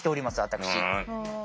私。